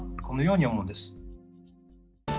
このように思うんです。